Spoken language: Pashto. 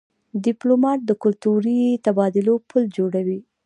ډيپلومات د کلتوري تبادلو پل جوړوي.